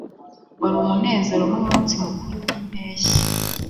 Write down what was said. Wari umunezero numunsi mukuru wimpeshyi